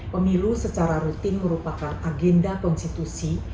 pemilu secara rutin merupakan agenda konstitusi